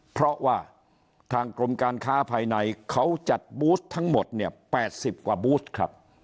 เพราะว่าทางกรมการค้าภายในเขาจัดบูธทั้งหมดเนี่ย๘๐กว่าบูธครับ